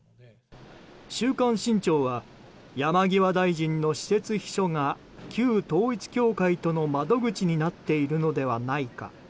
「週刊新潮」は山際大臣の私設秘書が旧統一教会との窓口になっているのではないか。